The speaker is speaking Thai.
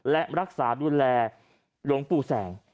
และรักษาดูแลหลวงปู่แสง